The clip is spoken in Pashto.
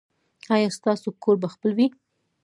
ایا ستاسو کور به خپل وي؟